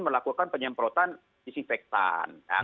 melakukan penyemprotan disinfektan